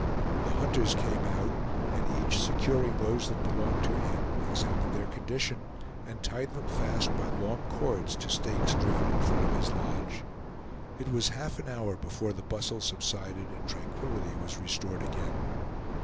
The hunters came out, and each securing those that belonged to him, examined their condition, and tied them fast by long cords to stakes driven in front of his lodge. It was half an hour before the bustle subsided and tranquillity was restored again.